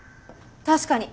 確かに。